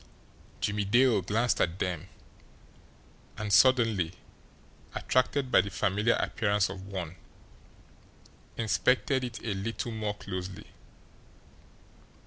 Jimmie Dale glanced at them, and, suddenly attracted by the familiar appearance of one, inspected it a little more closely.